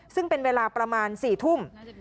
ซึ่งเป็นเวลาประมาณ๔ทุ่ม